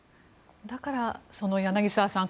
だから柳澤さん